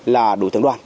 là đối tượng đoàn